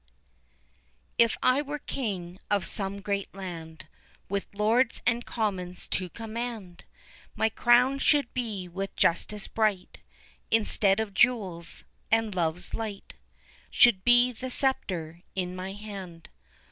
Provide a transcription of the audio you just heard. If I were King of some great land With lords and commons to command, My crown should be with justice bright Instead of jewels and Love's light Should be the sceptre in my hand.